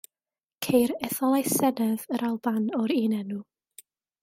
Ceir etholaeth Senedd yr Alban o'r un enw.